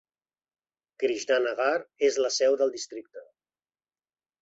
Krishnanagar és la seu del districte.